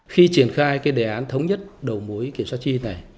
khi triển khai cái đề án thống nhất đầu mối kiểm soát chi này